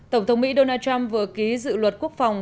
tổng thống mỹ donald trump vừa ký dự luật quốc phòng